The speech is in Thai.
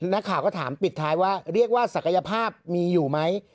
นักข่าวก็ถามปิดท้ายว่าเรียกว่าศักยภาพมีอยู่ไหม